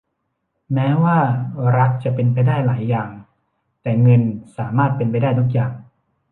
แม้ว่ารักจะเป็นได้หลายอย่าง แต่เงินสามารถเป็นได้ทุกอย่าง